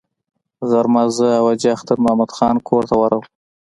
غرمه زه او حاجي اختر محمد خان کور ته ورغلو.